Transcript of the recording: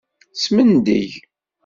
Smendeg.